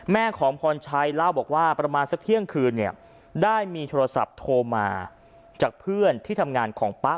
แม่ของพรชัยเล่าบอกว่าประมาณสักเที่ยงคืนเนี่ยได้มีโทรศัพท์โทรมาจากเพื่อนที่ทำงานของป๊า